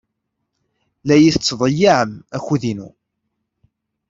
La iyi-tettḍeyyiɛem akud-inu.